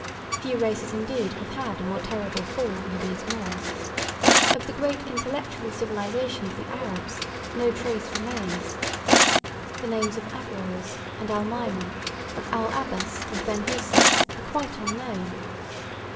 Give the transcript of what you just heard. Few races, indeed, have had a more terrible fall than these Moors. Of the great intellectual civilisation of the Arabs no trace remains. The names of Averroes and Almaimon, of Al Abbas and Ben Husa are quite unknown.